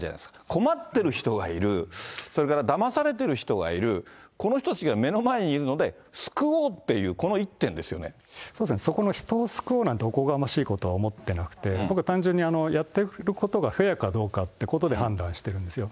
困ってる人がいる、それからだまされてる人がいる、この人たちが目の前にいるので、救おうっていそうですね、そこの人を救おうなんておこがましいことは思ってなくて、僕は単純に、やってることがフェアかどうかっていうことで判断してるんですよ。